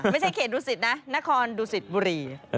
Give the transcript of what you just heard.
ไม่ใช่เขตดูสิตนะนครดูสิตบุรี